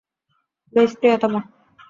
Luis, প্রিয়তম।